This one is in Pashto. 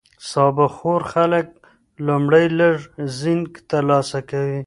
سابه خور خلک لومړی لږ زینک ترلاسه کوي.